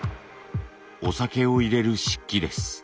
お酒を入れる漆器です。